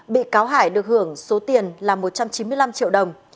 bị cáo hải được hưởng số tiền là một trăm chín mươi năm triệu đồng